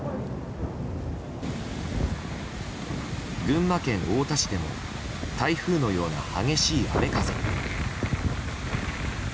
群馬県太田市でも台風のような激しい雨風に。